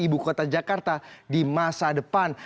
ibu kota jakarta di masa depan